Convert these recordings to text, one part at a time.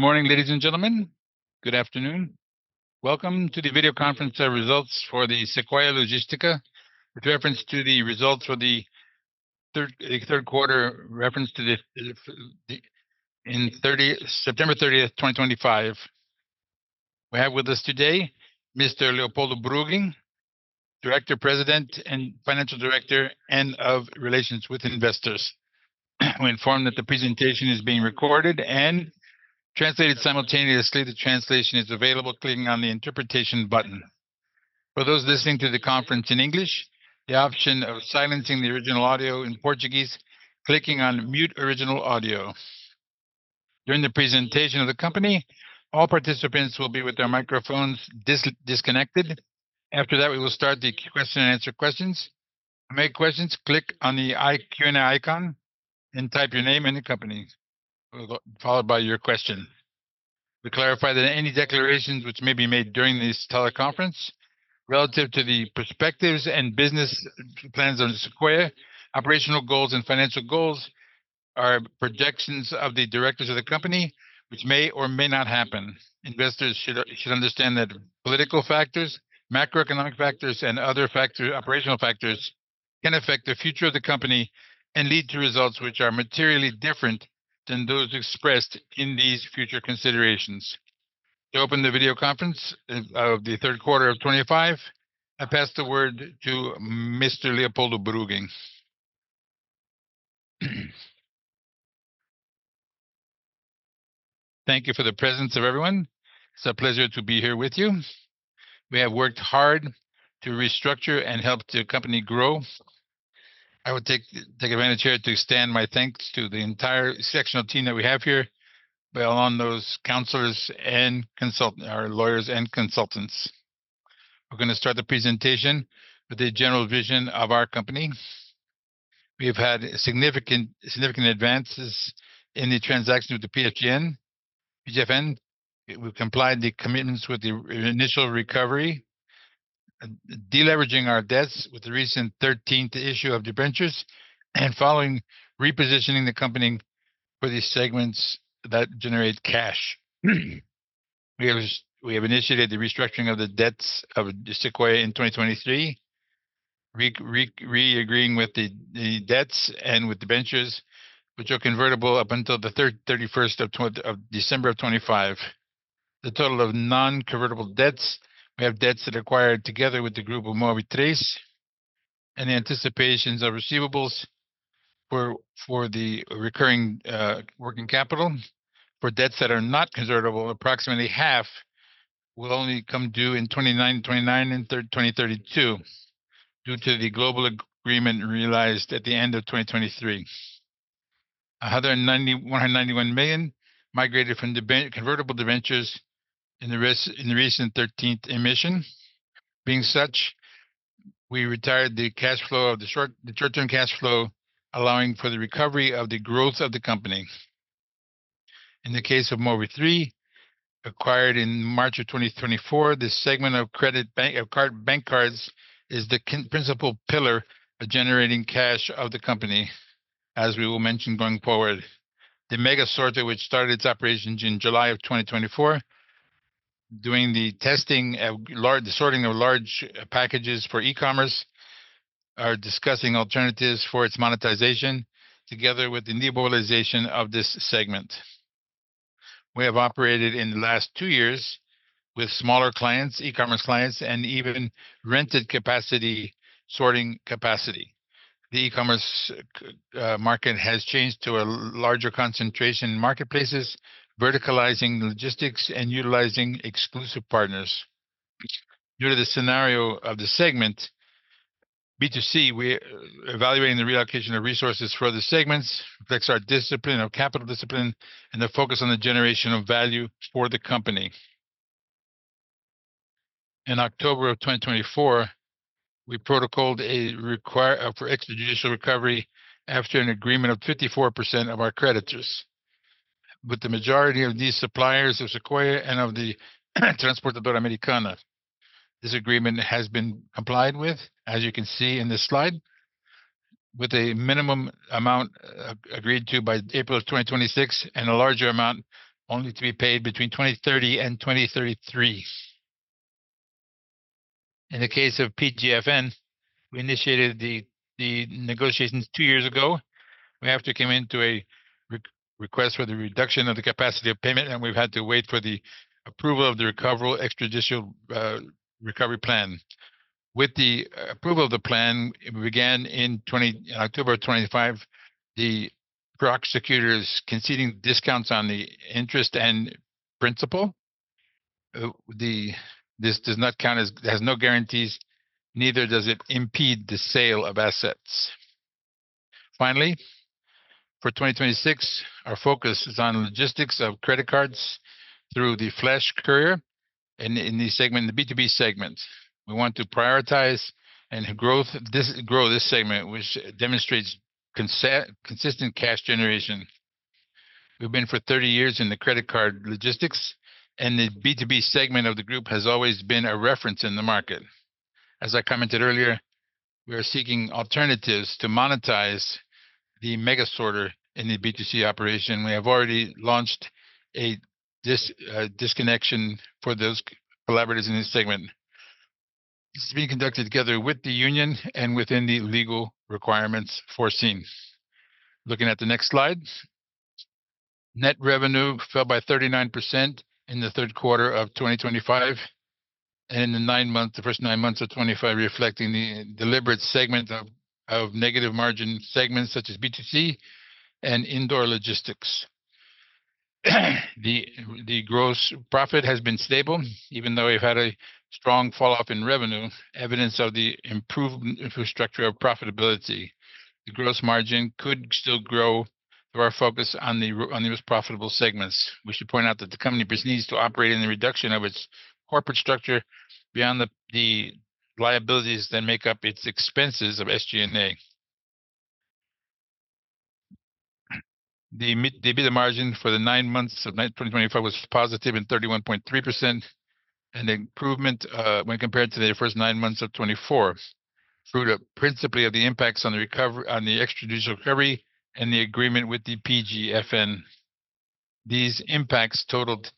Good morning, ladies and gentlemen. Good afternoon. Welcome to the video conference of results for the Sequoia Logística, with reference to the third quarter ended September 30, 2025. We have with us today Mr. Leopoldo Bruggen, Director, President, Financial Director, and Director of Investor Relations. We inform that the presentation is being recorded and translated simultaneously. The translation is available by clicking on the interpretation button. For those listening to the conference in English, the option of silencing the original audio in Portuguese by clicking on Mute Original Audio. During the presentation of the company, all participants will be with their microphones disconnected. After that, we will start the question-and-answer session. To make questions, click on the Q&A icon and type your name and the company followed by your question. We clarify that any declarations which may be made during this teleconference relative to the perspectives and business plans on Sequoia, operational goals and financial goals are projections of the directors of the company, which may or may not happen. Investors should understand that political factors, macroeconomic factors and other operational factors can affect the future of the company and lead to results which are materially different than those expressed in these future considerations. To open the video conference of the third quarter of 2025, I pass the word to Mr. Leopoldo Bruggen. Thank you for the presence of everyone. It's a pleasure to be here with you. We have worked hard to restructure and help the company grow. I would take advantage here to extend my thanks to the entire exceptional team that we have here, well, along those counselors and our lawyers and consultants. We're gonna start the presentation with the general vision of our company. We have had significant advances in the transaction with the PGFN. We've complied the commitments with the initial recovery, deleveraging our debts with the recent 13th Emission of Debentures, and following repositioning the company for the segments that generate cash. We have initiated the restructuring of the debts of Sequoia in 2023, reagreeing with the debts and with debentures which are convertible up until the 31st of December 2025. The total of non-convertible debts, we have debts that acquired together with the group of Move3, and the anticipations of receivables for the recurring working capital. For debts that are not convertible, approximately half will only come due in 2029 and 2032 due to the global agreement realized at the end of 2023. 191 million migrated from convertible debentures in the recent 13th Emission. Being such, we retired the short-term cash flow, allowing for the recovery of the growth of the company. In the case of Move3, acquired in March 2024, this segment of credit bank card, bank cards is the principal pillar of generating cash of the company, as we will mention going forward. The Mega Sorter, which started its operations in July 2024, doing the testing of the sorting of large packages for e-commerce, are discussing alternatives for its monetization together with the cannibalization of this segment. We have operated in the last two years with smaller clients, e-commerce clients, and even rented capacity, sorting capacity. The e-commerce market has changed to a larger concentration in marketplaces, verticalizing logistics and utilizing exclusive partners. Due to the scenario of the segment, B2C, we're evaluating the reallocation of resources for other segments. Reflects our discipline, our capital discipline, and the focus on the generation of value for the company. In October 2024, we protocolled a request for extrajudicial recovery after an agreement of 54% of our creditors. With the majority of these suppliers of Sequoia and of the Transportadora Americana, this agreement has been complied with, as you can see in this slide, with a minimum amount agreed to by April 2026, and a larger amount only to be paid between 2030 and 2033. In the case of PGFN, we initiated the negotiations two years ago. We have come into a request for the reduction of the capacity of payment, and we've had to wait for the approval of the recovery, extrajudicial, recovery plan. With the approval of the plan, it began in October 2025, the prosecutors conceding discounts on the interest and principal. This does not count as it has no guarantees, neither does it impede the sale of assets. Finally, for 2026, our focus is on logistics of credit cards through the Flash Courier in this segment, the B2B segment. We want to prioritize and grow this segment, which demonstrates consistent cash generation. We've been for 30 years in the credit card logistics, and the B2B segment of the group has always been a reference in the market. As I commented earlier, we are seeking alternatives to monetize the Mega Sorter in the B2C operation. We have already launched a disconnection for those collaborators in this segment. This is being conducted together with the union and within the legal requirements foreseen. Looking at the next slide. Net revenue fell by 39% in the third quarter of 2025, and in the first nine months of 2025, reflecting the deliberate segment of negative margin segments such as B2C and indoor logistics. The gross profit has been stable, even though we've had a strong fall-off in revenue, evidence of the improved infrastructure profitability. The gross margin could still grow through our focus on the most profitable segments. We should point out that the company needs to operate in the reduction of its corporate structure beyond the liabilities that make up its expenses of SG&A. The EBITDA margin for the nine months of 2025 was positive 31.3%, an improvement when compared to the first nine months of 2024, due principally to the impacts of the extrajudicial recovery and the agreement with the PGFN. These impacts totaled.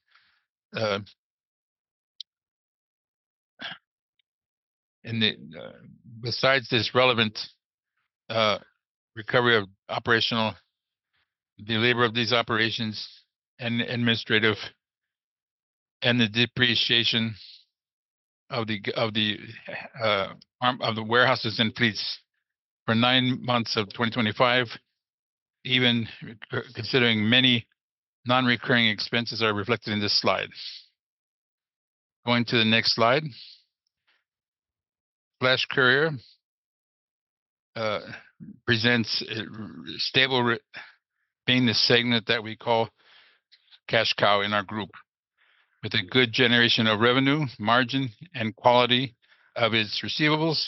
Besides this relevant recovery of operational leverage of these operations and administrative and the depreciation and amortization of the warehouses and fleets for nine months of 2025, even considering many non-recurring expenses are reflected in this slide. Going to the next slide. Flash Courier presents stable revenue being the segment that we call cash cow in our group, with a good generation of revenue, margin, and quality of its receivables,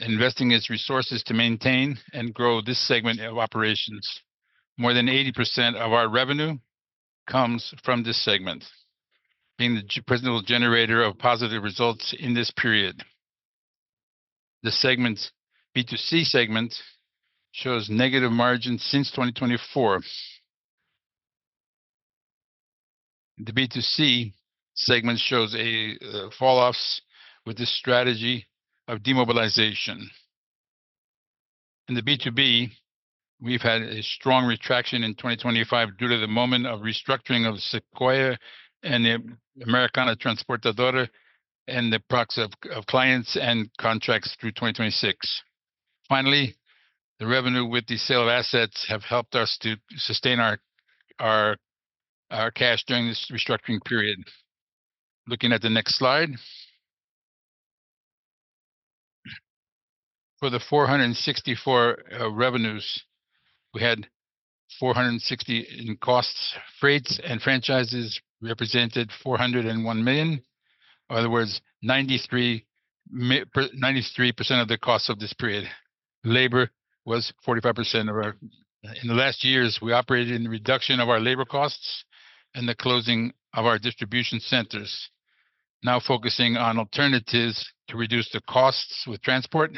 investing its resources to maintain and grow this segment of operations. More than 80% of our revenue comes from this segment, being the principal generator of positive results in this period. The segment, B2C segment shows negative margin since 2024. The B2C segment shows a fall off with this strategy of demobilization. In the B2B, we've had a strong contraction in 2025 due to the moment of restructuring of Sequoia Logística and the Transportadora Americana, and the proxy of clients and contracts through 2026. Finally, the revenue with the sale of assets have helped us to sustain our cash during this restructuring period. Looking at the next slide. For the 464 million revenues, we had 460 million in costs. Freights and franchises represented 401 million. In other words, 93% of the cost of this period. Labor was 45% of our costs. In the last years, we operated in the reduction of our labor costs and the closing of our distribution centers, now focusing on alternatives to reduce the costs with transport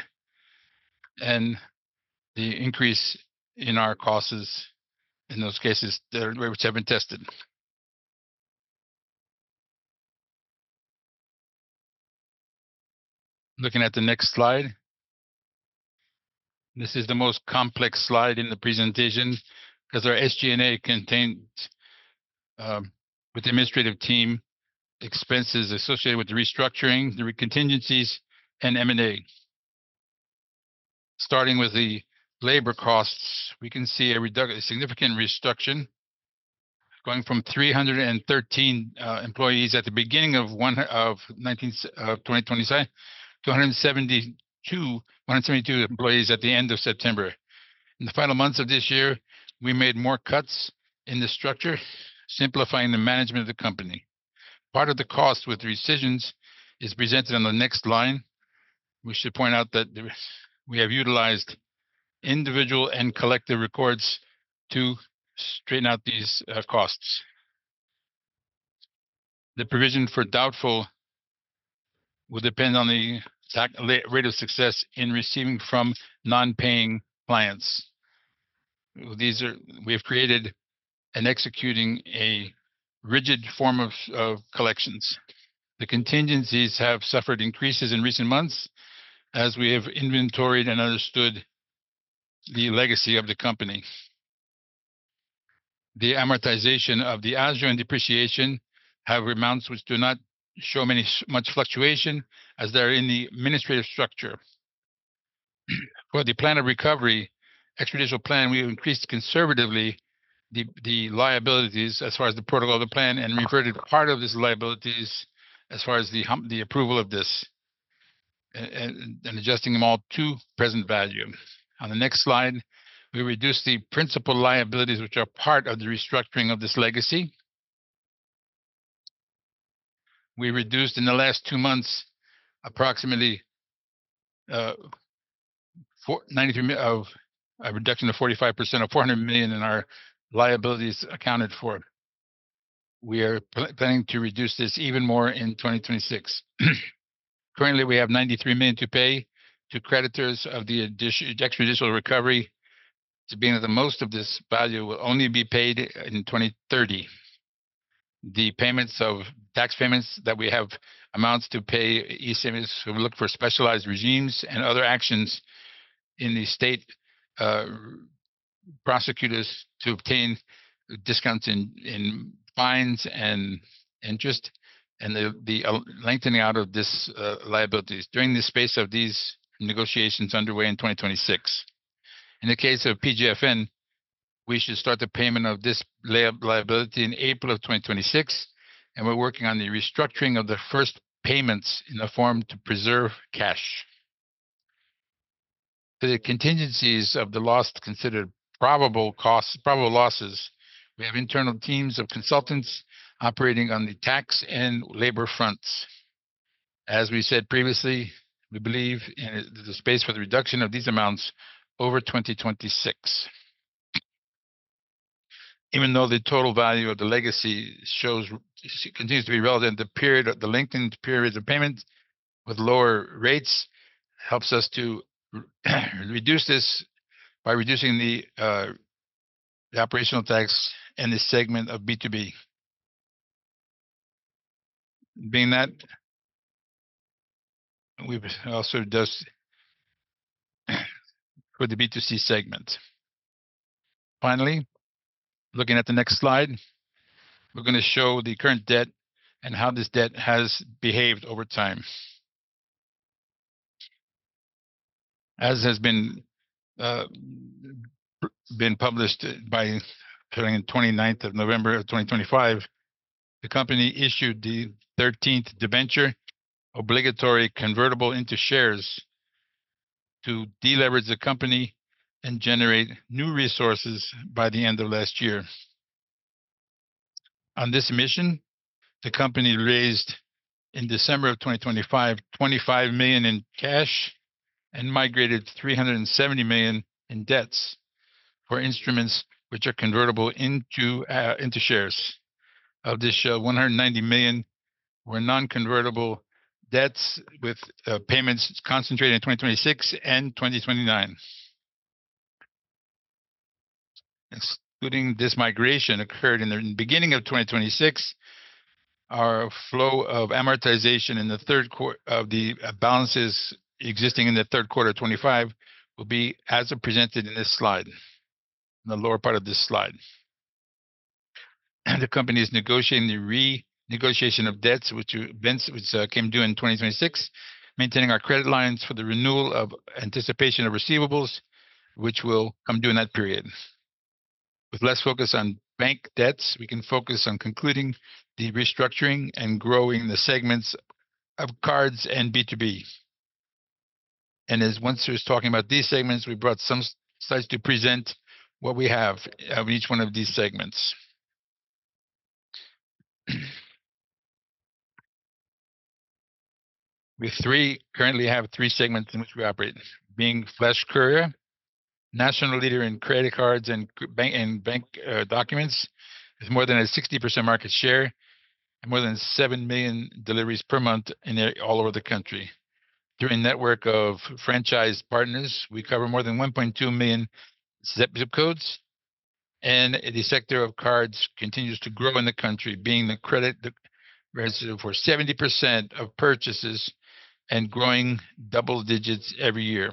and the increase in our costs in those cases which have been tested. Looking at the next slide. This is the most complex slide in the presentation because our SG&A contains with the administrative team, expenses associated with the restructuring, the contingencies, and M&A. Starting with the labor costs, we can see a significant reduction going from 313 employees at the beginning of 2027 to 172 employees at the end of September. In the final months of this year, we made more cuts in the structure, simplifying the management of the company. Part of the cost with the rescissions is presented on the next line. We should point out that we have utilized individual and collective records to straighten out these costs. The provision for doubtful will depend on the exact rate of success in receiving from non-paying clients. We have created and executing a rigid form of collections. The contingencies have suffered increases in recent months as we have inventoried and understood the legacy of the company. The amortization of the ágio and depreciation have amounts which do not show much fluctuation as they're in the administrative structure. For the plan of recovery, extrajudicial plan, we have increased conservatively the liabilities as far as the protocol of the plan, and reverted part of these liabilities as far as the approval of this and adjusting them all to present value. On the next slide, we reduced the principal liabilities, which are part of the restructuring of this legacy. We reduced in the last two months, approximately 93 million of a reduction of 45% of 400 million in our liabilities accounted for. We are planning to reduce this even more in 2026. Currently, we have 93 million to pay to creditors of the judicial and extrajudicial recovery, being that the most of this value will only be paid in 2030. The payments of tax payments that we have amounts to pay, ICMS, we look for specialized regimes and other actions in the state prosecutors to obtain discounts in fines and the lengthening out of this liabilities during the course of these negotiations underway in 2026. In the case of PGFN, we should start the payment of this liability in April of 2026, and we're working on the restructuring of the first payments in the form to preserve cash. The contingencies of the loss considered probable costs, probable losses, we have internal teams of consultants operating on the tax and labor fronts. As we said previously, we believe in the space for the reduction of these amounts over 2026. Even though the total value of the legacy continues to be relevant, the period of the lengthened periods of payment with lower rates helps us to reduce this by reducing the operational tax and the segment of B2B. Being that, we've also just for the B2C segment. Finally, looking at the next slide, we're gonna show the current debt and how this debt has behaved over time. As has been published by filing on the twenty-ninth of November of 2025, the company issued the 13th Emission of Debenture, obligatory convertible into shares to deleverage the company and generate new resources by the end of last year. On this mission, the company raised, in December 2025, 25 million in cash and migrated 370 million in debts for instruments which are convertible into shares. Of this share, 190 million were non-convertible debts with payments concentrated in 2026 and 2029. Excluding this migration, which occurred in the beginning of 2026, our flow of amortization of the balances existing in the third quarter of 2025 will be as presented in this slide, in the lower part of this slide. The company is negotiating the renegotiation of debts which came due in 2026, maintaining our credit lines for the renewal of anticipation of receivables, which will come due in that period. With less focus on bank debts, we can focus on concluding the restructuring and growing the segments of cards and B2B. Once we're talking about these segments, we brought some slides to present what we have of each one of these segments. We currently have three segments in which we operate, being Flash Courier, national leader in credit cards and bank documents, with more than 60% market share and more than seven million deliveries per month all over the country. Through a network of franchise partners, we cover more than 1.2 million ZIP codes, and the sector of cards continues to grow in the country, being responsible for 70% of purchases and growing double digits every year.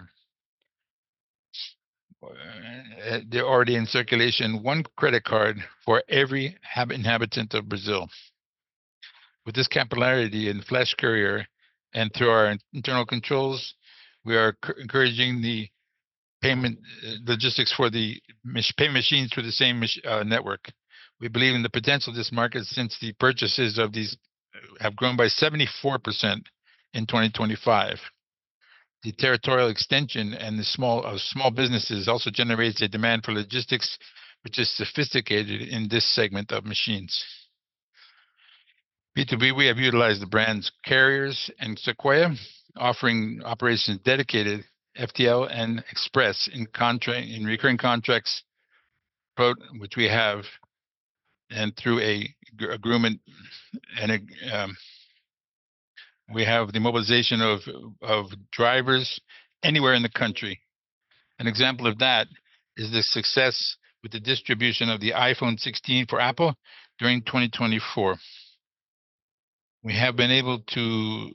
They're already in circulation, one credit card for every inhabitant of Brazil. With this capillarity in Flash Courier and through our internal controls, we are encouraging the payment logistics for the pay machines through the same network. We believe in the potential of this market since the purchases of these have grown by 74% in 2025. The territorial extension and the small businesses also generates a demand for logistics, which is sophisticated in this segment of machines. B2B, we have utilized the brands carriers and Sequoia, offering operations dedicated FTL and Express in recurring contracts, both of which we have through an agreement. We have the mobilization of drivers anywhere in the country. An example of that is the success with the distribution of the iPhone 16 for Apple during 2024. We have been able to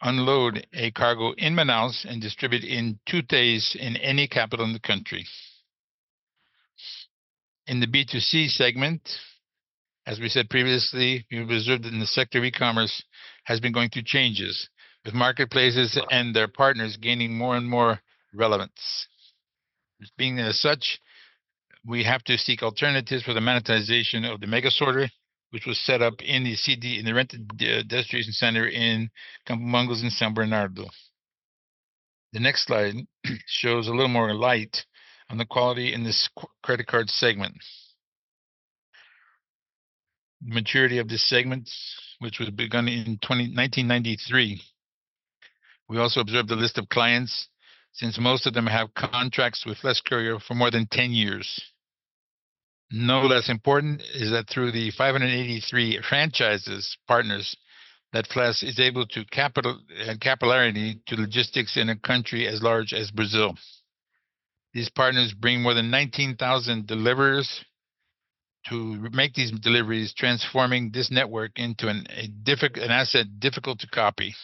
unload a cargo in Manaus and distribute in two days in any capital in the country. In the B2C segment, as we said previously, we observed that in the sector e-commerce has been going through changes, with marketplaces and their partners gaining more and more relevance. As such, we have to seek alternatives for the monetization of the Mega Sorter, which was set up in the CD, in the rented distribution center in Campinas in São Bernardo. The next slide shows a little more light on the quality in this credit card segment. Maturity of the segments which was begun in 1993. We also observed the list of clients since most of them have contracts with Flash Courier for more than 10 years. No less important is that through the 583 franchise partners that Flash is able to capillarity to logistics in a country as large as Brazil. These partners bring more than 19,000 deliverers to make these deliveries, transforming this network into an asset difficult to copy.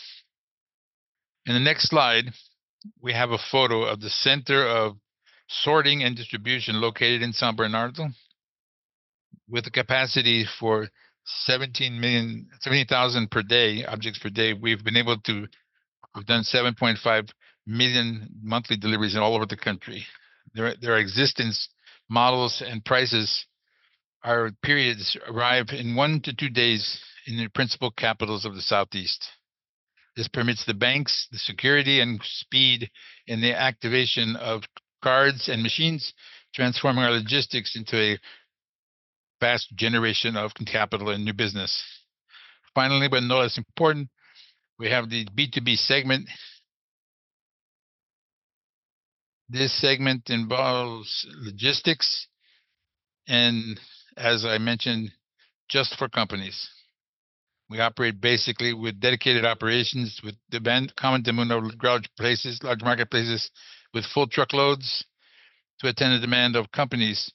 In the next slide, we have a photo of the center of sorting and distribution located in São Bernardo. With a capacity for 17,000 objects per day, we've done 7.5 million monthly deliveries all over the country. Their e-commerce models and prices are perishable arrive in one to two days in the principal capitals of the southeast. This permits the banks the security and speed in the activation of cards and machines, transforming our logistics into a fast generation of capital and new business. Finally, no less important, we have the B2B segment. This segment involves logistics, and as I mentioned, just for companies. We operate basically with dedicated operations, with common demand of large places, large marketplaces with full truckloads to attend the demand of companies,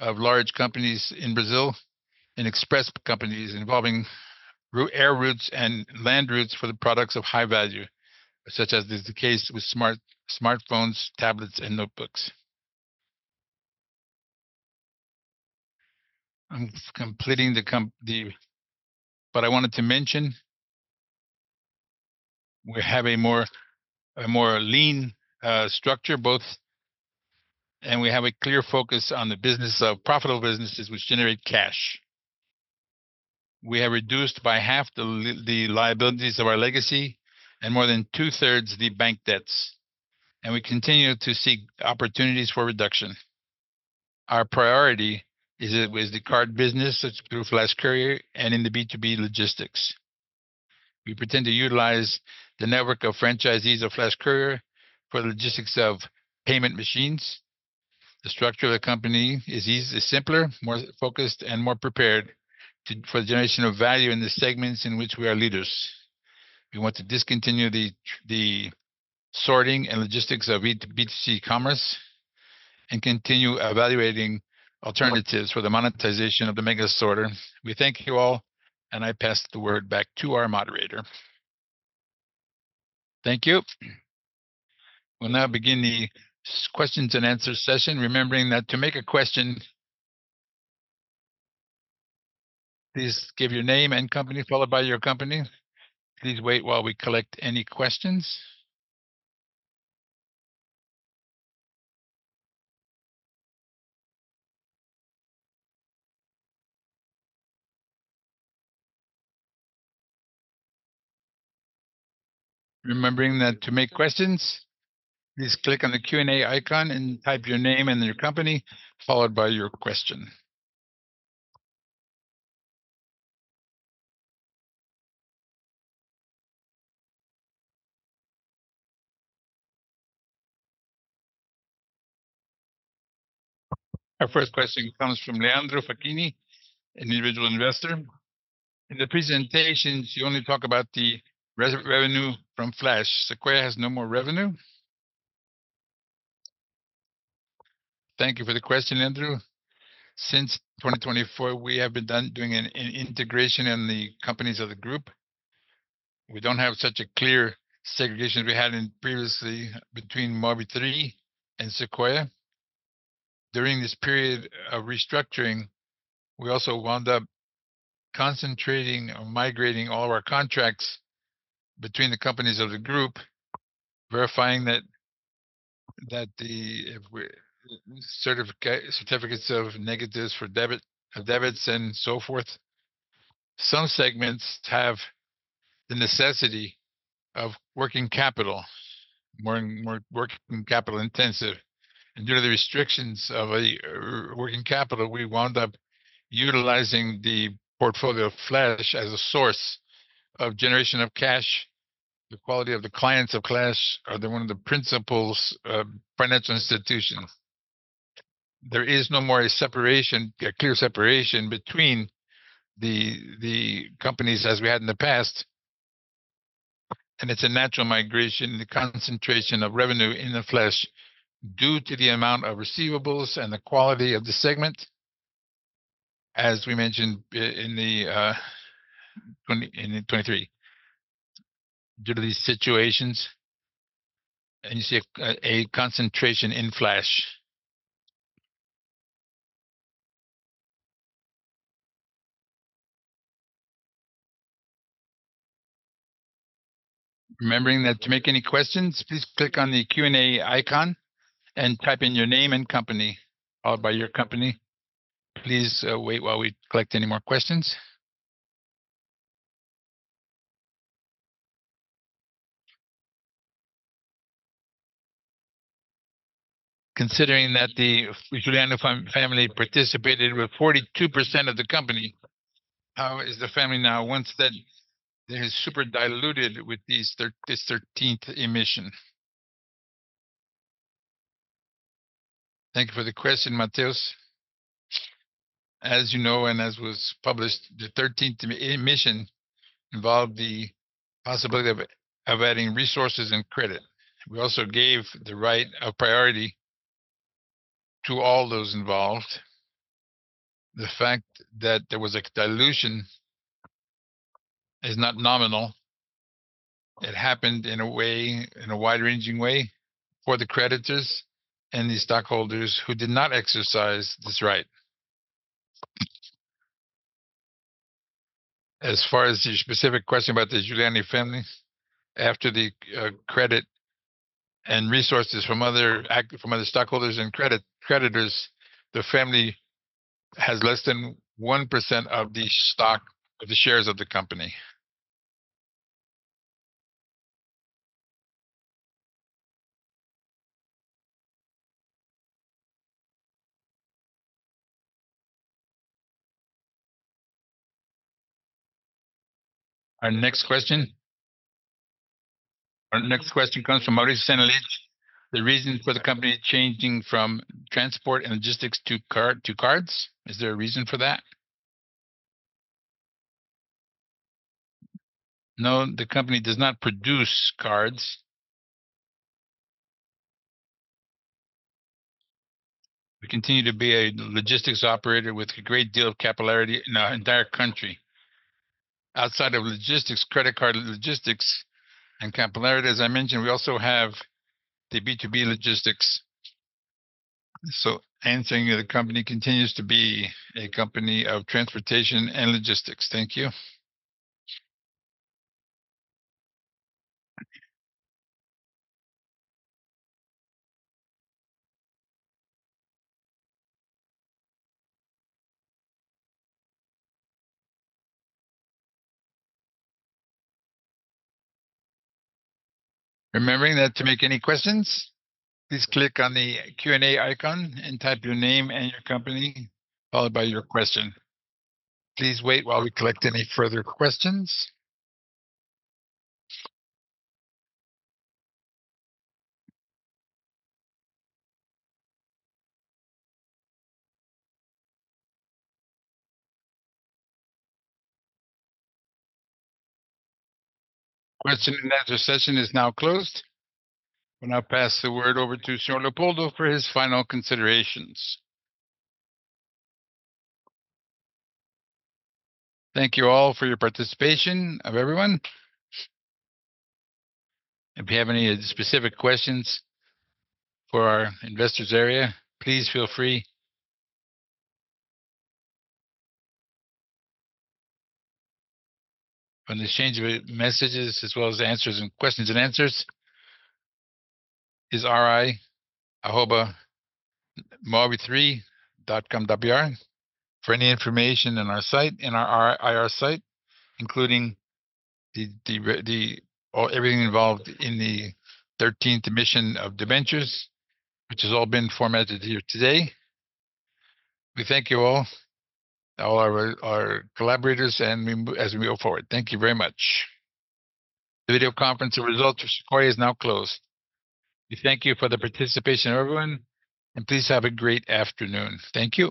of large companies in Brazil and express companies involving air routes and land routes for the products of high value, such as is the case with smartphones, tablets and notebooks. I wanted to mention we have a more lean structure both, and we have a clear focus on the business of profitable businesses which generate cash. We have reduced by half the liabilities of our legacy and more than two-thirds the bank debts, and we continue to seek opportunities for reduction. Our priority is with the card business, such as through Flash Courier and in the B2B logistics. We intend to utilize the network of franchisees of Flash Courier for the logistics of payment machines. The structure of the company is easier, simpler, more focused, and more prepared for the generation of value in the segments in which we are leaders. We want to discontinue the sorting and logistics of B2C commerce and continue evaluating alternatives for the monetization of the Mega Sorter. We thank you all, and I pass the word back to our moderator. Thank you. We'll now begin the questions-and-answer session, remembering that to make a question, please give your name and company, followed by your question. Please wait while we collect any questions. Remembering that to make questions, please click on the Q&A icon and type your name and your company, followed by your question. Our first question comes from Leandro Facchini, an individual investor. "In the presentations, you only talk about the revenue from Flash. Sequoia has no more revenue?" Thank you for the question, Leandro. Since 2024, we have been doing an integration in the companies of the group. We don't have such a clear segregation as we had previously between Move3 and Sequoia. During this period of restructuring, we also wound up concentrating or migrating all of our contracts between the companies of the group, verifying that the certificates of negatives for debit, of debits and so forth. Some segments have the necessity of working capital, more working capital intensive. Due to the restrictions of a working capital, we wound up utilizing the portfolio of Flash as a source of generation of cash. The quality of the clients of Flash are the one of the principals of financial institutions. There is no more a separation, a clear separation between the companies as we had in the past, and it's a natural migration, the concentration of revenue in the Flash due to the amount of receivables and the quality of the segment, as we mentioned in the 2023. Due to these situations, you see a concentration in Flash. Remembering that to make any questions, please click on the Q&A icon and type in your name and company, followed by your company. Please, wait while we collect any more questions. Considering that the Juliani family participated with 42% of the company, how is the family now, once that is super diluted with this 13th Emission? Thank you for the question, Mateus. As you know, and as was published, the 13th Emission involved the possibility of adding resources and credit. We also gave the right of priority to all those involved. The fact that there was a dilution is not nominal. It happened in a way, in a wide-ranging way for the creditors and the stockholders who did not exercise this right. As far as your specific question about the Juliani family, after the credit and resources from other stockholders and creditors, the family has less than 1% of the shares of the company. Our next question comes from Maurice Senelige. The reasons for the company changing from transport and logistics to cards, is there a reason for that? No, the company does not produce cards. We continue to be a logistics operator with a great deal of capillarity in our entire country. Outside of logistics, credit card logistics and capillarity, as I mentioned, we also have the B2B logistics. Answering, the company continues to be a company of transportation and logistics. Thank you. Remembering that to make any questions, please click on the Q&A icon and type your name and your company, followed by your question. Please wait while we collect any further questions. Question and answer session is now closed. We'll now pass the word over to Senhor Leopoldo for his final considerations. Thank you all for your participation, everyone. If you have any specific questions for our investors area, please feel free. The exchange of messages as well as questions-and-answers is ri@move3.com.br for any information in our site, in our IR site, including everything involved in the 13th Emission of Debentures, which has all been formatted here today. We thank you all our collaborators as we move forward. Thank you very much. The video conference result for Sequoia is now closed. We thank you for the participation, everyone, and please have a great afternoon. Thank you.